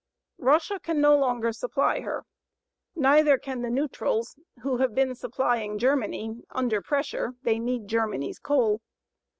Russia can no longer supply her. Neither can the neutrals, who have been supplying Germany under pressure; they need Germany's coal.